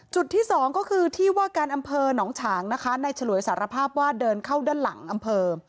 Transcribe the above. ที่สองก็คือที่ว่าการอำเภอหนองฉางนะคะในฉลวยสารภาพว่าเดินเข้าด้านหลังอำเภอ